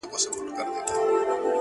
یو موږک دی چي په نورو نه ګډېږي,